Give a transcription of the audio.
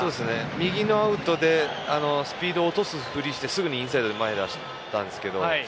右のアウトでスピードを落とすふりをしてすぐにインサイドで前に出したんですけど。